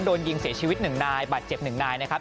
โดนยิงเสียชีวิต๑นายบาดเจ็บ๑นายนะครับ